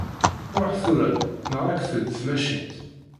Ṛuḥ tura, neɣ ad k-teǧǧ tmacint.